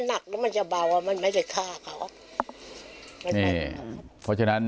หนักแล้วมันจะเบาว่ามันไม่จะฆ่าเขานี่เพราะฉะนั้น